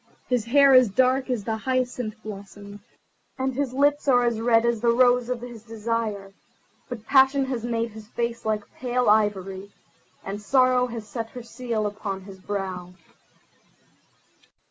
His hair is dark as the hyacinth blossom, and his lips are red as the rose of his desire; but passion has made his face like pale ivory, and sorrow has set her seal upon his brow."